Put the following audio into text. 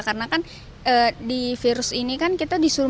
karena kan di virus ini kan kita disuruh